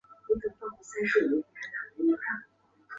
冠山雀会在残株的穴上筑巢。